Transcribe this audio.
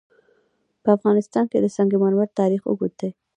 په افغانستان کې د سنگ مرمر تاریخ اوږد دی.